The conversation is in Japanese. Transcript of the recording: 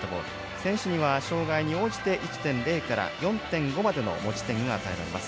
選手には障がいに応じて１．０から４．５までの持ち点が与えられます。